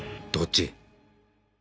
どっち？